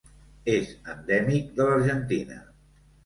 És endèmic de l'Argentina.